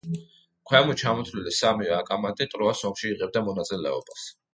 ქვემოთ ჩამოთვლილი სამივე აკამანტი ტროას ომში იღებდა მონაწილეობას.